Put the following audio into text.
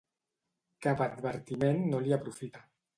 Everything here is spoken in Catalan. Cap advertiment no li aprofita.